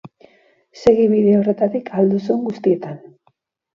Segi bide horretatik ahal duzun guztietan.